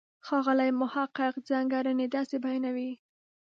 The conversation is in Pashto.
ښاغلی محق ځانګړنې داسې بیانوي.